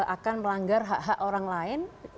akan melanggar hak hak orang lain